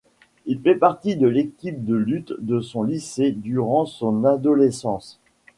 Il fait partie de l'équipe de lutte de son lycée durant son adolescence.